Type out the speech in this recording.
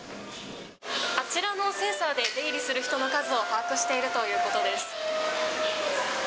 あちらのセンサーで、出入りする人の数を把握しているということです。